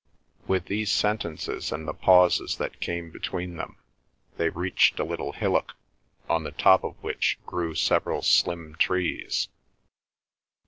With these sentences and the pauses that came between them they reached a little hillock, on the top of which grew several slim trees.